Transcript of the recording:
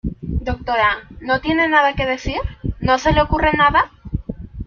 doctora, ¿ no tiene nada que decir? ¿ no se le ocurre nada ?